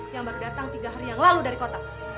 yang baru datang tiga hari yang lalu dari kota